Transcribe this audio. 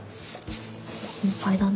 心配だな。